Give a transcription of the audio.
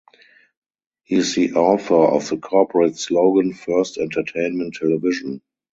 He is the author of the corporate slogan "First Entertainment Television".